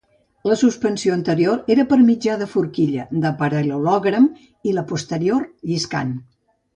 La suspensió anterior era per mitjà de forquilla de paral·lelogram i la posterior, lliscant.